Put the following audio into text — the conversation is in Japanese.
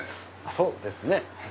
そうですね。